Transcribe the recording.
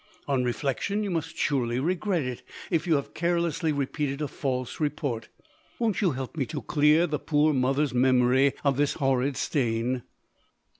On reflection you must surely regret it, if you have carelessly repeated a false report? Won't you help me to clear the poor mother's memory of this horrid stain?"